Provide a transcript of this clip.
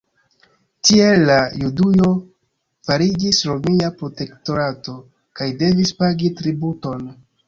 Tiel la Judujo fariĝis romia protektorato kaj devis pagi tributon.